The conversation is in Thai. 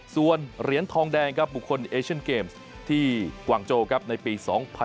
ส่วนเหรียญทองแดงครับบุคคลเอเชนเกมส์ที่กวางโจครับในปี๒๐๑๖